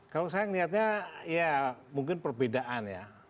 kalau saya melihatnya ya mungkin perbedaan ya